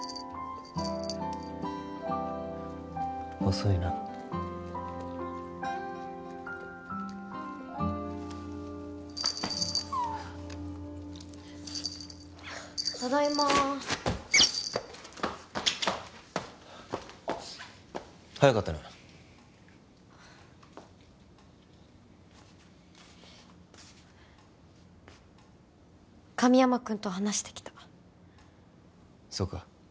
遅いなただいま早かったな神山くんと話してきたそうか